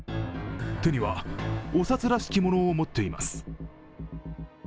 手には、お札らしきものを持っています。